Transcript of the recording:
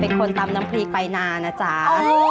เป็นคนตำน้ำพริกไปนานนะจ๊ะ